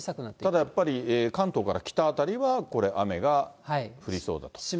ただやっぱり、関東から北辺りはこれ、雨が降りそうだと。